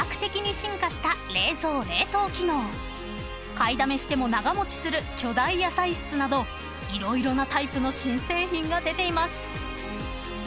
［買いだめしても長持ちする巨大野菜室など色々なタイプの新製品が出ています］